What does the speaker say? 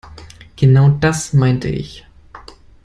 Genau das meinte ich.